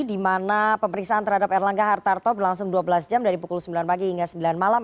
di mana pemeriksaan terhadap erlangga hartarto berlangsung dua belas jam dari pukul sembilan pagi hingga sembilan malam